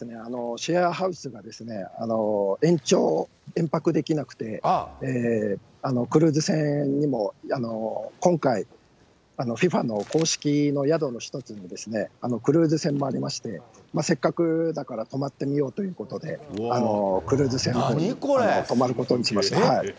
シェアハウスがですね、延長、延泊できなくて、クルーズ船にも、今回、ＦＩＦＡの公式の宿の一つに、クルーズ船もありまして、せっかくだから、泊まってみようということで、クルーズ船に泊まることにしました。